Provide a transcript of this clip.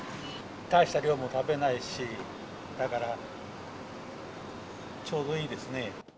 たいした量も食べないし、だから、ちょうどいいですね。